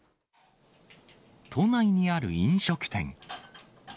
都内にある飲食店。